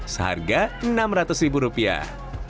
seharga enam ratus ribu rupiah